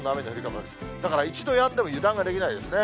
だから一度やんでも油断ができないですね。